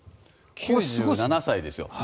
９７歳ですよ。